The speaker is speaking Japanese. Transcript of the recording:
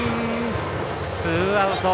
ツーアウト。